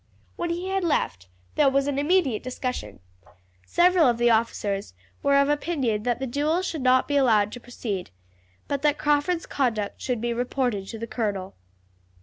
When he had left there was an immediate discussion. Several of the officers were of opinion that the duel should not be allowed to proceed, but that Crawford's conduct should be reported to the colonel.